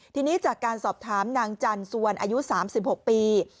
ทีนี้จากการสอบถามนางจันสุวรรณอายุ๓๖ปี